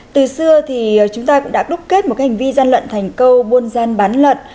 từ xưa thì chúng ta cũng đã đúc kết một hành vi gian lận thành câu buôn gian bán lợn